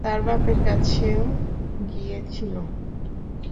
তার বাপের কাছেও গিয়েছিলুম।